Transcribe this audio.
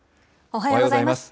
おはようございます。